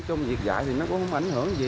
nói chung việc dạy thì nó cũng không ảnh hưởng gì